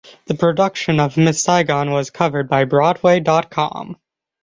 The production of Miss Saigon was covered by Broadway dot com.